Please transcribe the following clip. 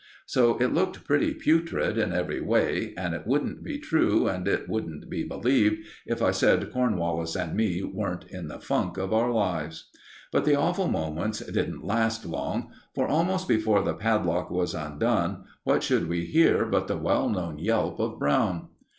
So it looked pretty putrid in every way, and it wouldn't be true, and it wouldn't be believed, if I said Cornwallis and me weren't in the funk of our lives. But the awful moments didn't last long, for, almost before the padlock was undone, what should we hear but the well known yelp of Brown!